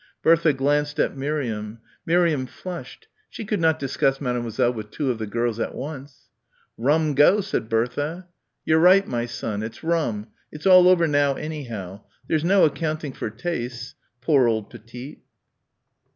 Bertha glanced at Miriam. Miriam flushed. She could not discuss Mademoiselle with two of the girls at once. "Rum go," said Bertha. "You're right, my son. It's rum. It's all over now, anyhow. There's no accounting for tastes. Poor old Petite."